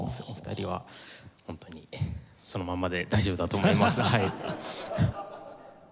お二人はホントにそのままで大丈夫だと思います。